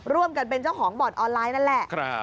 ร่วมกันเป็นเจ้าของบ่อนออนไลน์นั่นแหละ